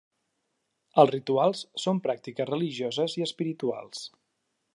Els rituals són pràctiques religioses i espirituals.